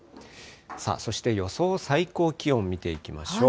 さあ、そして予想最高気温見ていきましょう。